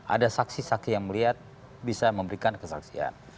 ada saksi saksi yang melihat bisa memberikan kesaksian